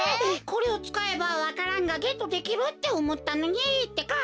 これをつかえばわか蘭がゲットできるっておもったのにってか！